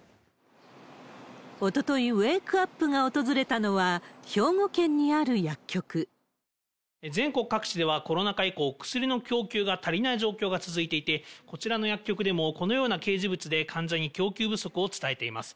おととい、ウェークアップが訪れたのは、全国各地では、コロナ禍以降、薬の供給が足りない状況が続いていて、こちらの薬局でもこのような掲示物で患者に供給不足を伝えています。